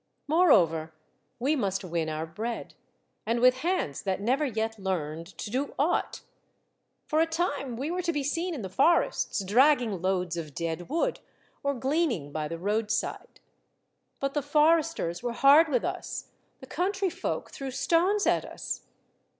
Moreover, we must win our bread, and with hands that never yet learned to do aught. For a time we were to be seen in the forests, drag ging loads of dead wood, or gleaning by the roadside. But the foresters were hard with us, the country folk threw stones at us.